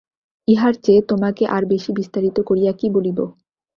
ইহার চেয়ে তোমাকে আর বেশি বিস্তারিত করিয়া কী বলিব?